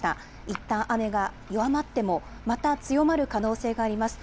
いったん雨が弱まってもまた強まる可能性があります。